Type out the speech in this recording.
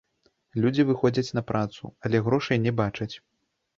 Людзі выходзяць на працу, але грошай не бачаць.